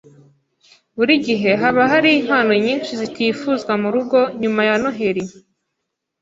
Buri gihe haba hari impano nyinshi zitifuzwa murugo nyuma ya Noheri